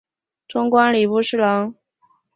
终官礼部侍郎。